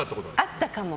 あったかも。